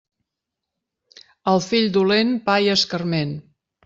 Al fill dolent, pa i escarment.